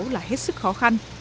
là hết sức khó khăn